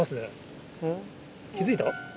気付いた？